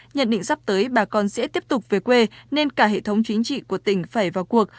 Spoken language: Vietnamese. nhận định sắp tới bà con sẽ tiếp tục về quê nên cả hệ thống chính trị của tỉnh phải vào cuộc